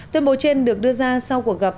tuyên bố trên được đưa ra sau cuộc gặp